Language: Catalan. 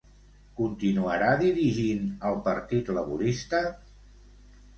Continuarà dirigint el Partit Laborista?